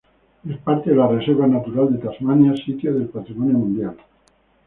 Es parte de la Reserva natural de Tasmania sitio del patrimonio mundial.